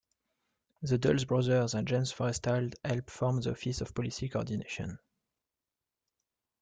The Dulles brothers and James Forrestal helped form the Office of Policy Coordination.